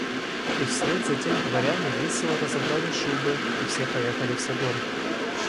И вслед затем дворяне весело разобрали шубы, и все поехали в Собор.